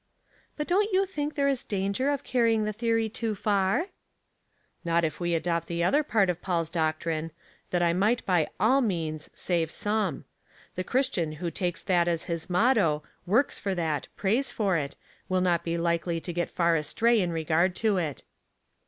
*' But don't you think there is danger of carry ing the theory too far ?'''* Not if we adopt the other part of Paul's doc trine, ' That I might by all means save some. The Christian who takes that as his motto, works for that, prays for it, will not be likely to get far abtray in regard to it."